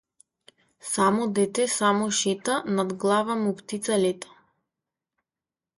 Само дете, само шета над глава му птица лета.